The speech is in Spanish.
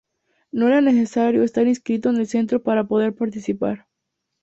No era necesario estar inscrito en el centro para poder participar.